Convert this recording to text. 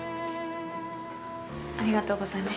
ありがとうございます。